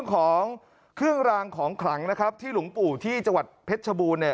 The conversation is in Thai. ของเครื่องรางของขลังนะครับที่หลวงปู่ที่จังหวัดเพชรชบูรณเนี่ย